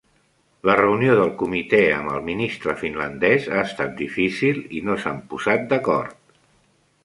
La reunió del Comité amb el ministre finlandés ha estat difícil i no s'han posat d'acord.